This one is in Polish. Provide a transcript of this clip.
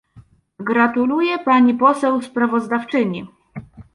Gratuluję pani poseł sprawozdawczyni